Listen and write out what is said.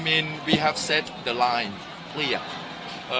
ไม่นะคุณคิดว่าคุณคิดเรื่องนี้ได้ไหม